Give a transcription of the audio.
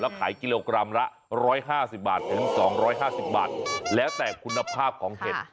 ขายกิโลกรัมละ๑๕๐บาทถึง๒๕๐บาทแล้วแต่คุณภาพของเห็ด